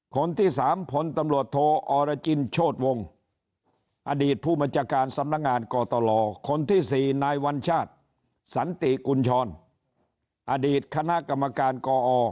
คนที่๓ผลตำรวจโทอรจินโชธวงศ์อดีตผู้บัญชาการสำนักงานกตลคนที่๔นายวัญชาติสันติกุญชรอดีตคณะกรรมการกอ